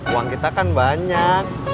uang kita kan banyak